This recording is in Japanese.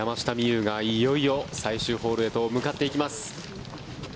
有がいよいよ最終ホールへと向かっていきます。